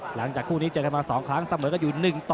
หลังจากคู่นี้เจอกันมา๒ครั้งเสมอกันอยู่๑ต่อ